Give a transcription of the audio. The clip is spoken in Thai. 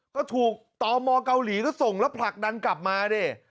ก็ถูกตมเกาหลีก็ส่งแล้วผลักดันกลับมาดิ